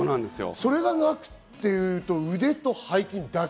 それがなくて、腕と背筋だけ。